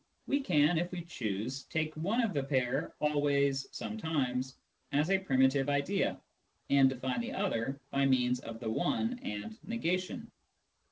We can, if we choose, take one of the pair " always," " sometimes " as a primitive idea, and define the other by means of the one and negation.